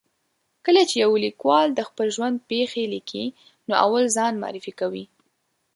کله چې یو لیکوال د خپل ژوند پېښې لیکي، نو اول ځان معرفي کوي.